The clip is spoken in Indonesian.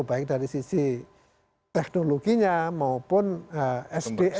baik dari sisi teknologinya maupun sdm